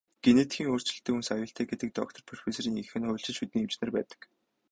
Генетикийн өөрчлөлттэй хүнс аюултай гэдэг доктор, профессорын ихэнх нь хуульчид, шүдний эмч нар байдаг.